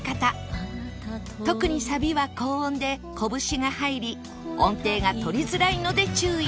特にサビは高音でこぶしが入り音程が取りづらいので注意